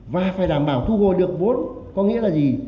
và phải đảm bảo thu hồi được vốn có nghĩa là gì